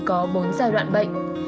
có bốn giai đoạn bệnh